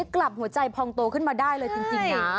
กลับหัวใจพองโตขึ้นมาได้เลยจริงนะ